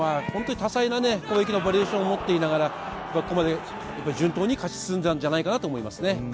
多彩な攻撃のバリエーションを持っていながら、ここまで順当に勝ち進んだんじゃないかと思いますね。